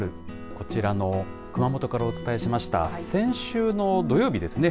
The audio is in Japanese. こちらの熊本からお伝えしました先週の土曜日ですね